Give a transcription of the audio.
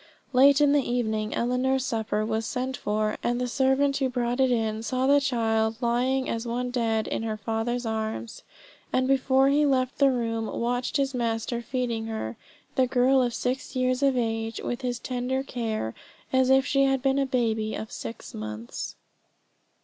Late in the evening Ellinor's supper was sent for, and the servant who brought it in saw the child lying as one dead in her father's arms, and before he left the room watched his master feeding her, the girl of six years of age, with as tender care as if she had been a baby of six months.